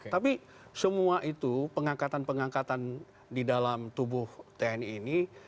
tapi semua itu pengangkatan pengangkatan di dalam tubuh tni ini